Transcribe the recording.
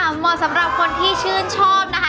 เหมาะสำหรับคนที่ชื่นชอบนะคะ